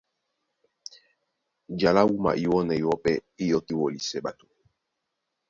Ja lá wúma iwɔ́ na iwɔ́ pɛ́ dí yɔkí wɔlisɛ ɓato .